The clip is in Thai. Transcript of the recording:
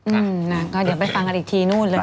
อืมนะก็เดี๋ยวไปฟังกันอีกทีนู่นเลย